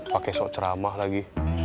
pak keso ceramah lagi